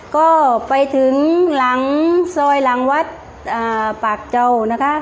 ก็ไปถึงหลังซอยหลังวัดปากเจ้านะคะ